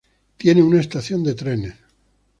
Tiene una estación de trenes.